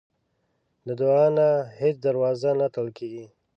د دعا نه هیڅ دروازه نه تړل کېږي.